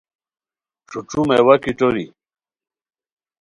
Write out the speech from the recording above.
ݯھو ݯھو میوہ کیٹوری